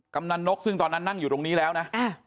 กำนันนกซึ่งตอนนั้นนั่งอยู่ตรงนี้แล้วนะ